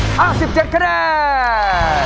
ห้าสิบเจ็ดคะแนน